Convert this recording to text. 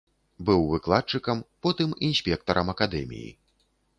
Быў выкладчыкам, потым інспектарам акадэміі.